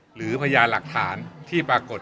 หรือพยานหลักฐานที่ปรากฏ